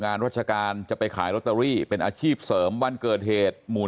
ราชการจะไปขายลอตเตอรี่เป็นอาชีพเสริมวันเกิดเหตุหมู่